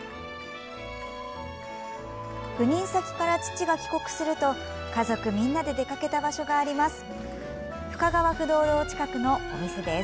赴任先から父が帰国すると家族みんなで出かけた場所があります。